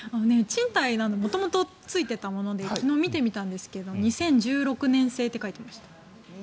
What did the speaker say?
賃貸なので元々ついていたもので昨日、見てみたんですけど２０１６年製って書いてました。